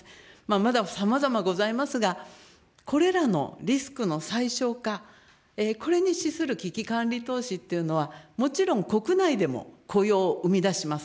まださまざまございますが、これらのリスクの最小化、これに資する危機管理投資っていうのは、もちろん国内でも雇用を生み出します。